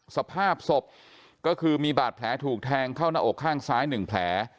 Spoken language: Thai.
สภาพศพก็คือมีบาดแผลถูกแทงเข้าหน้าอกข้างซ้าย๑แผล